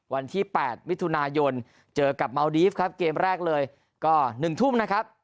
วันที่๘มิถุนายนเจอกับเมาดีฟครับเกมแรกเลยก็๑ทุ่มนะครับ